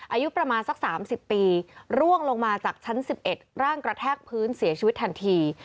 อายุประมาณสัก๓๐ปีร่วงลงมาจากชั้น๑๑ร่างกระแทกพื้นเสียชีวิตทันที